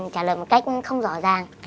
trả lời một cách không rõ ràng